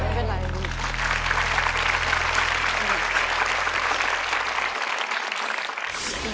ไม่เป็นไร